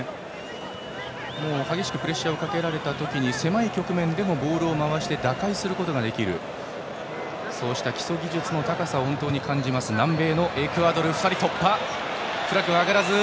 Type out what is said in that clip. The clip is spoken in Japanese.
激しくプレッシャーをかけられた時に狭い局面でもボールを回して打開することができる基礎技術の高さを感じる南米のエクアドル。